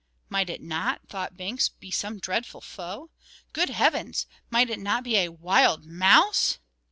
"Might it not," thought Blinks, "be some dreadful foe? Good heavens! might it not be a wild mouse?"